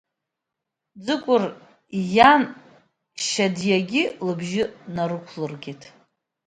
Ӡыкәыр иан Шьадиагьы лыбжьы нарықәлыргеит.